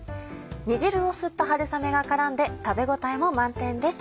煮汁を吸った春雨が絡んで食べ応えも満点です。